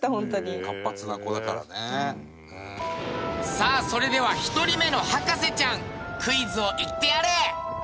さあそれでは１人目の博士ちゃんクイズを言ってやれ！